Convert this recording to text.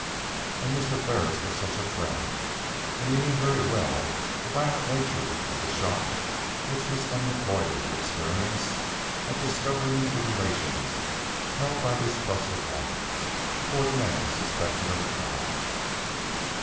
And Mr. Ferris was such a friend, and knew very well the violent nature of the shock which this eminent lawyer would experience at discovering the relations held by this trusted woman toward a man suspected of crime.